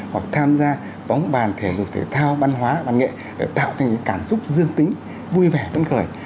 hoặc tham gia bóng bàn thể dục thể thao văn hóa văn nghệ để tạo thành cảm xúc dương tính vui vẻ vấn khởi